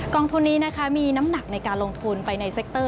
องทุนนี้นะคะมีน้ำหนักในการลงทุนไปในเซคเตอร์